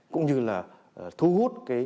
cũng như là thu hút